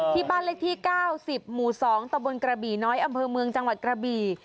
ที่บ้านเลขที่๙๐หมู่๒ตะบนกระบี่น้อยอำเภอเมืองจังหวัดกระบี่